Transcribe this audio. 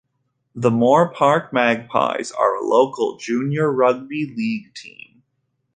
The Moore Park Magpies are a local junior rugby league team.